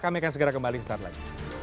kami akan segera kembali sesaat lagi